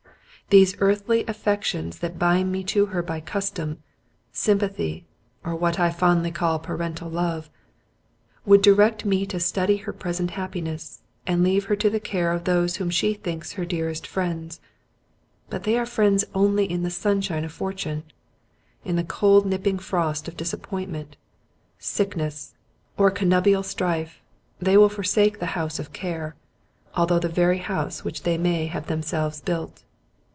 These earthly affections that bind me to her by custom, sympathy, or what I fondly call parental love, would direct me to study her present happiness, and leave her to the care of those whom she thinks her dearest friends; but they are friends only in the sunshine of fortune; in the cold nipping frost of disappointment, sickness, or connubial strife, they will forsake the house of care, although the very house which they may have themselves built."